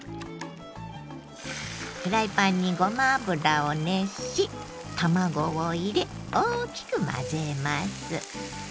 フライパンにごま油を熱し卵を入れ大きく混ぜます。